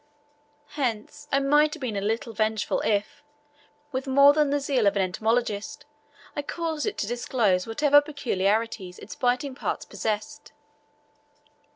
Hence, I might have been a little vengeful if, with more than the zeal of an entomologist, I caused it to disclose whatever peculiarities its biting parts possessed.